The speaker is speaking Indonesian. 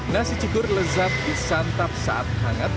nasi cigur lezat disantap saat hangat